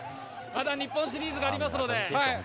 まだ日本シリーズがありますので。